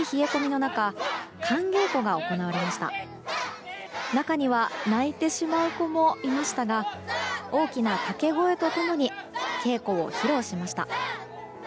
中には泣いてしまう子もいましたが大きな掛け声と共に稽古を披露しました。